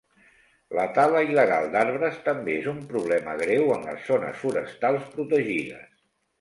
La tala il·legal d'arbres també és un problema greu en les zones forestals protegides.